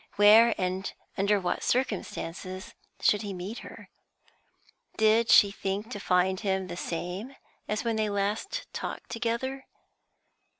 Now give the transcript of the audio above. Where, and under what circumstances, should he meet her? Did she think to find him the same as when they last talked together?